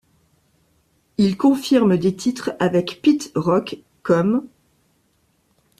Il confirme des titres avec Pete Rock, comme '.